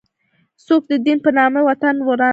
څوک د دین په نامه وطن وران نه کړي.